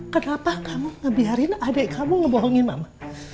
kenapa kamu ngebiarin adik kamu ngebohongin mama